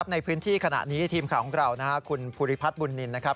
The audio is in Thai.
ในพื้นที่ขณะนี้ทีมข่าวของเราคุณภูริพัฒน์บุญนินนะครับ